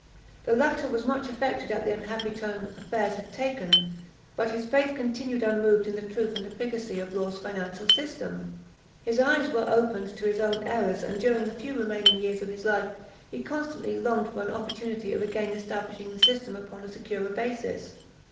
The latter was much affected at the unhappy turn affairs had taken, but his faith continued unmoved in the truth and efficacy of Law's financial system. His eyes were opened to his own errors; and during the few remaining years of his life he constantly longed for an opportunity of again establishing the system upon a securer basis.